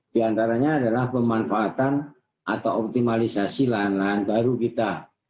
di antaranya adalah pemanfaatan atau optimalisasi lahan lahan baru kita